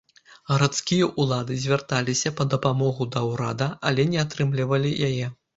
Гарадскія ўлады звярталіся па дапамогу да ўрада, але не атрымлівалі яе.